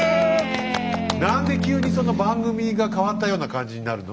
何で急にそんな番組が変わったような感じになるの？